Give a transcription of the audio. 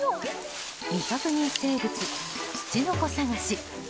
未確認生物ツチノコ探し。